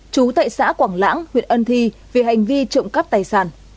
chú tại xã quảng lãng huyện ân thi về hành vi trộm cắp tài sản